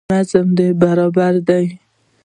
نبض دې برابر ديه.